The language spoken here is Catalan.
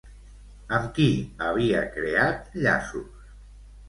Amb qui havia creat llaços?